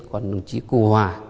còn đồng chí cô hòa